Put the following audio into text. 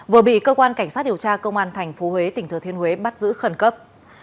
vừa bị cơ quan cảnh sát điều tra công an tp huế tỉnh thừa thiên huế bắt giữ khẩn cấp